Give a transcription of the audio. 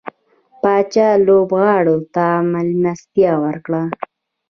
پاچا لوبغاړو ته ملستيا وکړه.